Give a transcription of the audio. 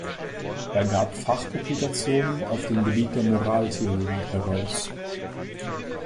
Er gab Fachpublikationen auf dem Gebiet der Moraltheologie heraus.